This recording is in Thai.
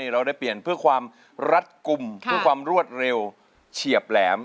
เราได้เปลี่ยนเพื่อความรัดกลุ่มเพื่อความรวดเร็วเฉียบแหลม